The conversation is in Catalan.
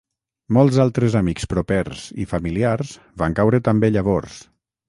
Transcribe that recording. Molts altres amics propers i familiars van caure també llavors.